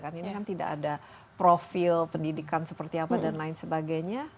kan ini kan tidak ada profil pendidikan seperti apa dan lain sebagainya